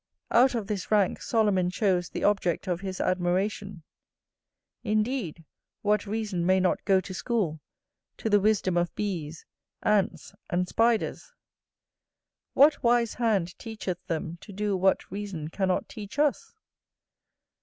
Out of this rank Solomon chose the object of his admiration; indeed, what reason may not go to school to the wisdom of bees, ants, and spiders? What wise hand teacheth them to do what reason cannot teach us?